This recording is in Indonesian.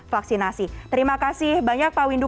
vaksinasi terima kasih banyak pak windu